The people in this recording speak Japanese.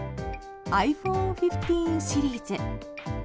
ｉＰｈｏｎｅ１５シリーズ。